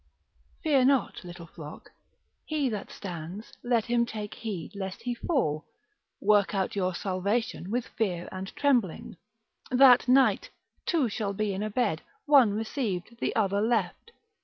Fear not little flock. He that stands, let him take heed lest he fall. Work out your salvation with fear and trembling, That night two shall be in a bed, one received, the other left.